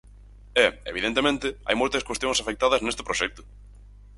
E, evidentemente, hai moitas cuestións afectadas neste proxecto.